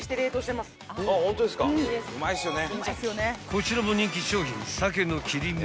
［こちらも人気商品］